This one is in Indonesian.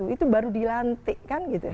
itu baru dilantik kan